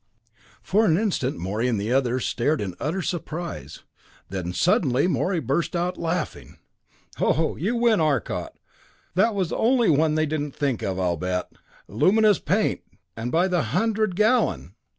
For an instant Morey and the others stared in utter surprise. Then suddenly Morey burst out laughing. "Ho you win, Arcot. That was one they didn't think of, I'll bet! Luminous paint and by the hundred gallon!